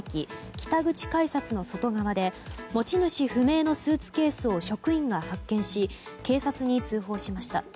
北口改札の外側で持ち主不明のスーツケースを職員が発見し警察に通報しました。